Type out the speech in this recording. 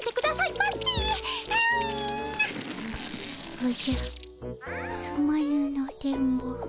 おじゃすまぬの電ボ。